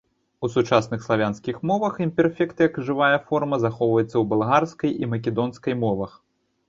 У сучасных славянскіх мовах імперфект як жывая форма захоўваецца ў балгарскай і македонскай мовах.